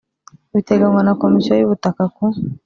Biteganywa na komisiyo y ubutaka ku